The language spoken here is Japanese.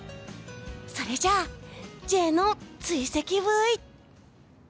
それじゃあ、Ｊの追跡ブイ！